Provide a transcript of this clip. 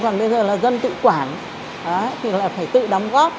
còn bây giờ là dân tự quản thì lại phải tự đóng góp